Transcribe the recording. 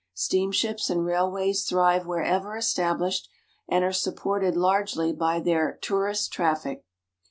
Steamships and railways thrive wherever estab lished, and are supported largely by their " tourist traffic."